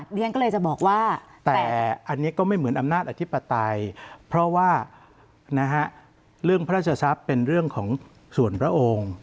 เรียนก็เลยจะบอกว่าแต่อันนี้ก็ไม่เหมือนอำนาจอธิปไตยเพราะว่าเรื่องพระราชทรัพย์เป็นเรื่องของส่วนพระองค์